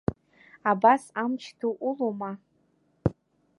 Абас амч ду улоума…